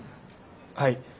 はい。